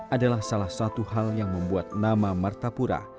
adalah salah satu hal yang membuat nama martapura